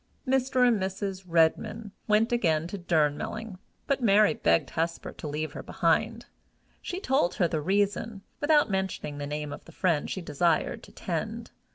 Mr. and Mrs. Redmain went again to Durnmelling, but Mary begged Hesper to leave her behind. She told her the reason, without mentioning the name of the friend she desired to tend.